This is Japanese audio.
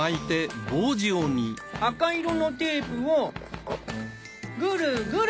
赤色のテープをグルグル。